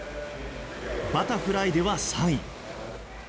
バタフライでは３位。